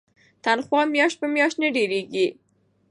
تنخوا میاشت په میاشت نه دریږي.